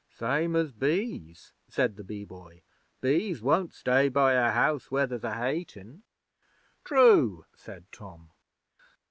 'Same as bees,' said the Bee Boy. 'Bees won't stay by a house where there's hating.' 'True,' said Tom.